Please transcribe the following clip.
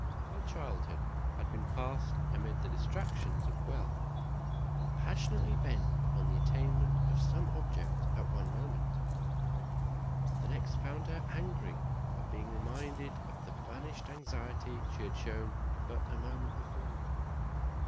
Her childhood had been passed amid the distractions of wealth; and passionately bent upon the attainment of some object at one moment, the next found her angry at being reminded of the vanished anxiety she had shown but a moment before.